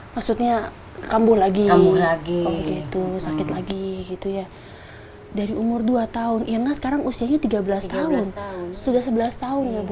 maksudnya kambuh lagi gitu sakit lagi gitu ya dari umur dua tahun irna sekarang usianya tiga belas tahun sudah sebelas tahun ya bu